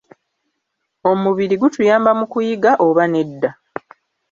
Omubiri gutuyamba mu kuyiga oba nedda?